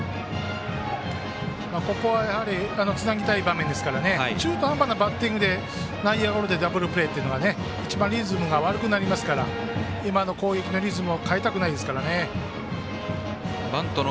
ここはつなぎたい場面ですから中途半端なバッティングで内野ゴロでダブルプレーっていうのが一番リズムが悪くなりますから今の攻撃のリズムを変えたくないですからね。